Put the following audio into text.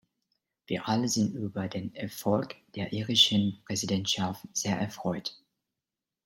Wir alle sind über den Erfolg der irischen Präsidentschaft sehr erfreut.